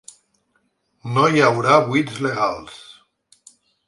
“No hi haurà buits legals”